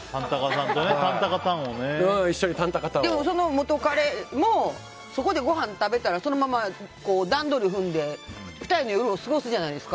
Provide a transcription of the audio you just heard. その元カレもそこでご飯を食べたら段取りを踏んで２人の夜を過ごすじゃないですか。